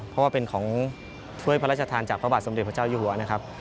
เพราะว่าเป็นของถ้วยพระราชทานจากพระบาทสมเด็จพระเจ้าอยู่หัวนะครับ